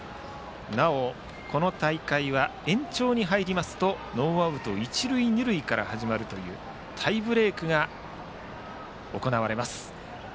なお、この大会は延長に入りますとノーアウト一塁二塁から始まるというタイブレークが行われます。